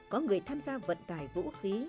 có người tham gia vận tải vũ khí